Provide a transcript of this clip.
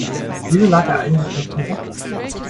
Wieso lag er eigentlich nicht im Bett?